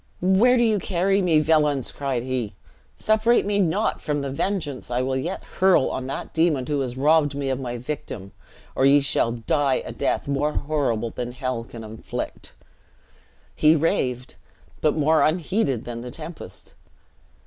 "Where do you carry me, villians?" cried he. "Separate me not from the vengeance I will yet hurl on that demon who has robbed me of my victim, or ye shall die a death more horrible than hell can inflict!" He raved; but more unheeded than the tempest.